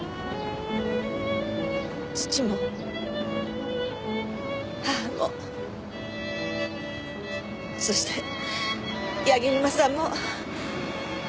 父も母もそして柳沼さんも。